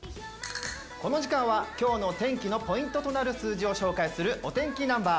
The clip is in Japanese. この時間は今日の天気のポイントとなる数字を紹介するお天気ナンバー。